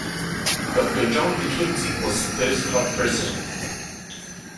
Doctor John Mackenzie, was the first club president.